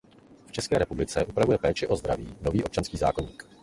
V České republice upravuje péči o zdraví nový občanský zákoník.